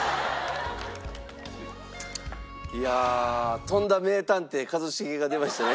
いやあとんだ名探偵一茂が出ましたね。